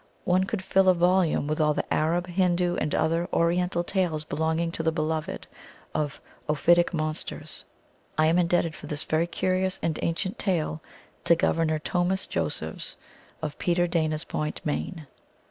One could fill a volume with all the Arab, Hindoo, and other Oriental tales belonging to the beloved of " ophitic monsters." I am indebted for this very curious and ancient tale to Governor Tomah Josephs, of Peter Dana s Point, Maine.